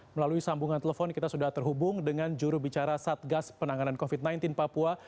melalui sambungan telepon kita sudah terhubung dengan jurubicara satgas penanganan covid sembilan belas papua